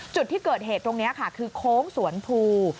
จุดที่เกิดเหตุตรงนี้ค่ะคือโค้งสวนภู